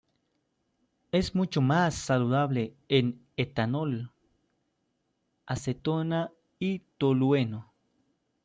Es mucho más soluble en etanol, acetona y tolueno.